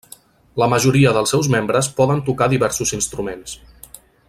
La majoria dels seus membres poden tocar diversos instruments.